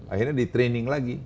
akhirnya di training lagi